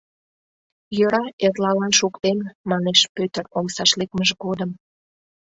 — Йӧра, эрлалан шуктем, — манеш Пӧтыр омсаш лекмыж годым.